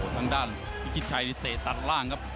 ทางด้านพิชิตชัยนี่เตะตัดล่างครับ